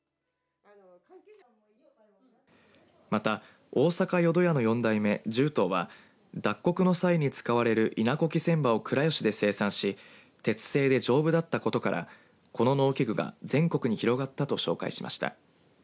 また大阪淀屋の４代目、重當は脱穀の際に使われる稲扱千刃を倉吉市で生産し鉄製で丈夫だったことからこの農機具が全国に広がったと紹介しました。